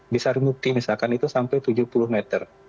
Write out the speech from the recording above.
bisa di mukti misalkan itu sampai tujuh puluh meter